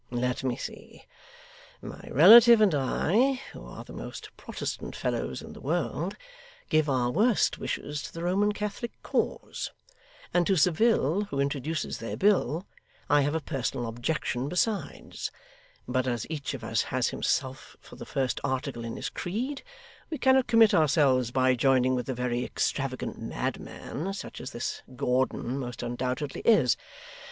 Let me see. My relative and I, who are the most Protestant fellows in the world, give our worst wishes to the Roman Catholic cause; and to Saville, who introduces their bill, I have a personal objection besides; but as each of us has himself for the first article in his creed, we cannot commit ourselves by joining with a very extravagant madman, such as this Gordon most undoubtedly is.